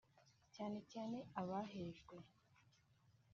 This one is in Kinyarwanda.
cyane cyane abahejwe